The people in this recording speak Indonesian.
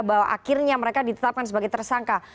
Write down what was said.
bahwa akhirnya mereka ditetapkan sebagai tersangka